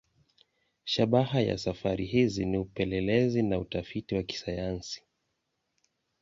Shabaha ya safari hizi ni upelelezi na utafiti wa kisayansi.